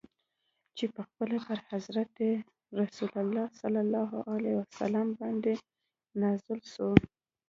چي پخپله پر حضرت رسول ص باندي نازل سوی.